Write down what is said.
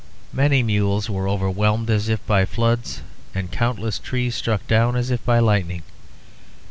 Many mules were overwhelmed as if by floods, and countless trees struck down as if by lightning.